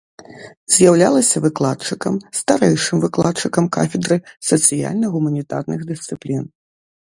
З'яўлялася выкладчыкам, старэйшым выкладчыкам кафедры сацыяльна-гуманітарных дысцыплін.